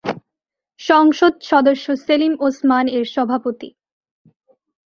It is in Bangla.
সংসদ সদস্য সেলিম ওসমান এর সভাপতি।